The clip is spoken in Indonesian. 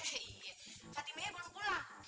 fatimahnya belum pulang